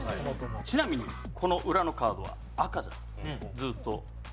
ちなみにこの裏のカードは赤じゃ、ずっと。